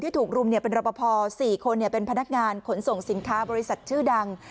ถูกรุมเป็นรปภ๔คนเป็นพนักงานขนส่งสินค้าบริษัทชื่อดัง